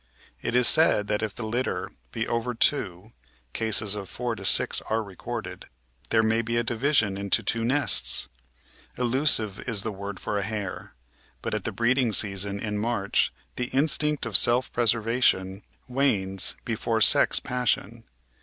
It is said that if the litter be over two — cases of 4 6 are recorded — ^there may be a division into two nests ! Elusive is the word for a hare, but at the breeding season in March the instinct of self preservation wanes before sex passion.